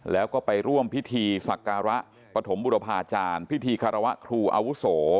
แล้วก็ไปร่วมพิธีสักการะปฐมบุรพาจารย์พิธีคารวะครูอาวุโส